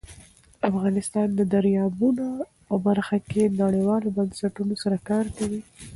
افغانستان د دریابونه په برخه کې نړیوالو بنسټونو سره کار کوي.